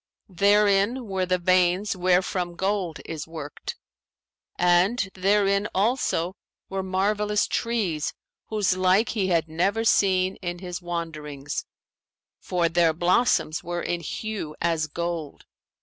Therein were the veins wherefrom gold is worked; and therein also were marvellous trees whose like he had never seen in his wanderings, for their blossoms were in hue as gold.